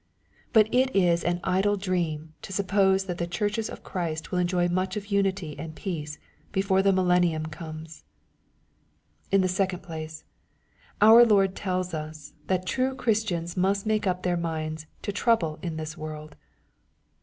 But it is an idle dream to sup pose that the churches of Christ will enjoy much of unity and peace before the millennium comes. In the second place, our Lord tells us that true Ohris* tiana must make up their minds to trouble in this toorld.